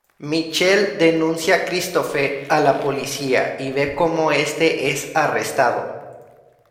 Michel denuncia a Christophe a la policía y ve cómo este es arrestado.